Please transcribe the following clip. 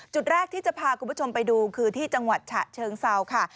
จุดแรกที่จะพาคุณผู้ชมไปดูคือที่จังหวัดฉะเชิงเซาค่ะ